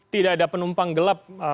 tidak ada penumpang gelap